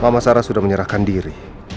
mama sarah sudah menyerahkan diri